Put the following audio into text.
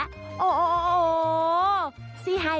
สวัสดีครับ